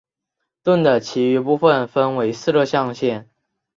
盾的其余部分分为四个象限。